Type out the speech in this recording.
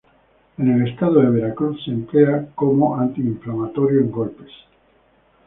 En el estado de Veracruz se emplea como antiinflamatorio en golpes.